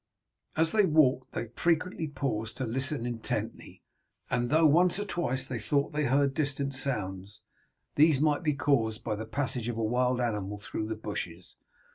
As they walked they frequently paused to listen intently, and though once or twice they thought they heard distant sounds, these might be caused by the passage of a wild animal through the bushes.